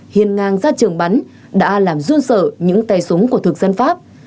hiền ngang ra trường bắn đã làm run sợ những tay súng của thực dân pháp